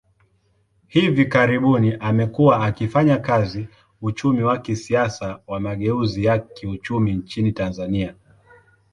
Hivi karibuni, amekuwa akifanya kazi uchumi wa kisiasa wa mageuzi ya kiuchumi nchini Tanzania.